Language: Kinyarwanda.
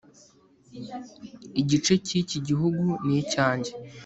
Igice cyiki gihugu ni icyanjye